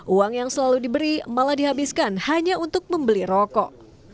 uang yang selalu diberi malah dihabiskan hanya untuk membeli rokok